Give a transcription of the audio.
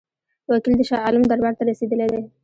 وکیل د شاه عالم دربار ته رسېدلی دی.